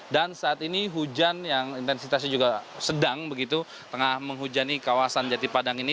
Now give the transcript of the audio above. dan saat ini hujan yang intensitasnya juga sedang tengah menghujani kawasan jati padang ini